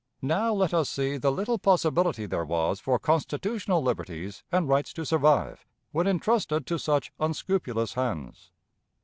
Now, let us see the little possibility there was for constitutional liberties and rights to survive, when intrusted to such unscrupulous hands.